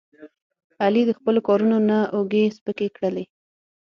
علي د خپلو کارونو نه اوږې سپکې کړلې.